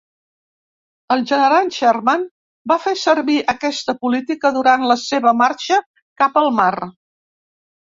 El general Sherman va fer servir aquesta política durant la seva marxa cap al mar.